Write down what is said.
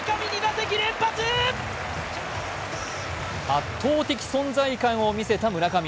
圧倒的存在感を見せた村上。